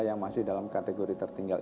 yang masih dalam kategori tertinggal